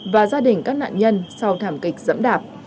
và gia đình các nạn nhân sau thảm kịch dẫm đạp